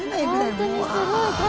本当にすごい数。